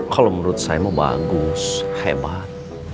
kalau menurut saya mah bagus hebat